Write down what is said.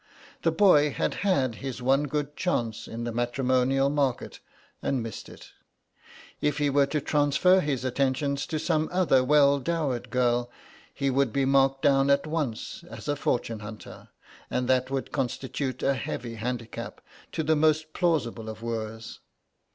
The boy had had his one good chance in the matrimonial market and missed it; if he were to transfer his attentions to some other well dowered girl he would be marked down at once as a fortune hunter, and that would constitute a heavy handicap to the most plausible of wooers.